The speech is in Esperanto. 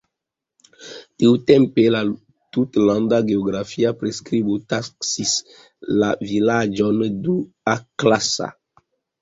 Tiutempe la tutlanda geografia priskribo taksis la vilaĝon duaklasa.